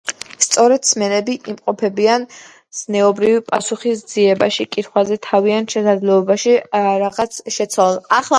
სწორედ სმენები იმყოფებიან ზნეობრივი პასუხის ძიებაში კითხვაზე თავიანთ შესაძლებლობებში რაღაც შეცვალონ